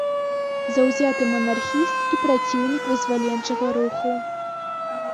Заўзяты манархіст і праціўнік вызваленчага руху.